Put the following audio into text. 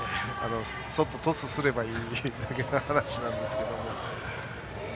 そっと、トスすればいいだけの話なんですけど。